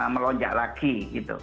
melonjak lagi gitu